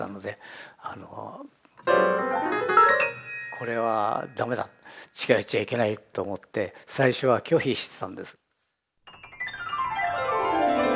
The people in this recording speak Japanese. これはダメだ近寄っちゃいけないと思って最初は拒否してたんです。